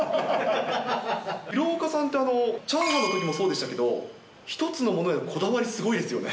廣岡さんってチャーハンのときもそうでしたけど、一つのものにこだわりすごいですよね。